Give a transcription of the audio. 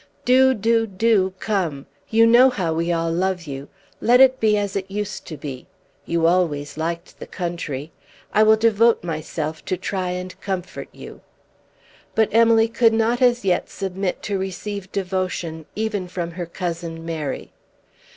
"Do, do, do come. You know how we all love you. Let it be as it used to be. You always liked the country. I will devote myself to try and comfort you." But Emily could not as yet submit to receive devotion even from her cousin Mary.